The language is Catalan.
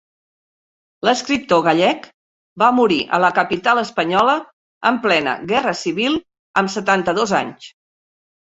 L'escriptor gallec va morir a la capital espanyola en plena guerra civil, amb setanta-dos anys.